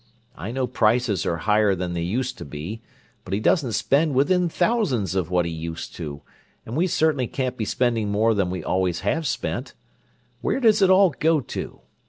I know prices are higher than they used to be, but he doesn't spend within thousands of what he used to, and we certainly can't be spending more than we always have spent. Where does it all go to?